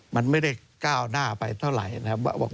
มันไม่ได้ก้าวหน้าไปเท่าไหร่นะครับ